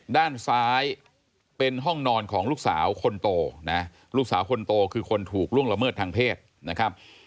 ด้านซ้ายเป็นห้องนอนของลูกสาวคนโตนะลูกสาวคนโตคือคนถูกล่วงละเมิดทางเพศนะครับ